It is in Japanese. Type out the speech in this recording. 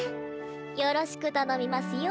よろしく頼みますよ